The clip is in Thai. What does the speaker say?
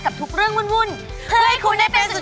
แม่บ้านประจันบัน